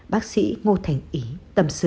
bác sĩ ngô thành ý tâm sự